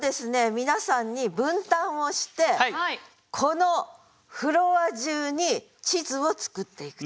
皆さんに分担をしてこのフロア中に地図を作っていくと。